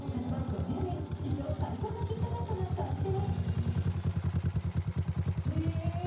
５０年、史上最高のキットカットが完成。